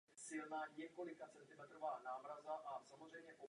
V západním průčelí je čtvercová předsíň.